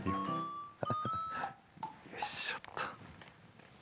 よいしょっと。